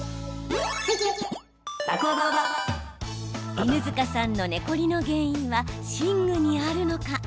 犬塚さんの寝コリの原因は寝具にあるのか？